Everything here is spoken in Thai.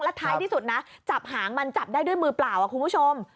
ท้ายที่สุดนะจับหางมันจับได้ด้วยมือเปล่าคุณผู้ชม